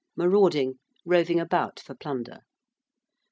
~marauding~: roving about for plunder.